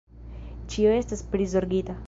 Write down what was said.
Ĉio estos prizorgita.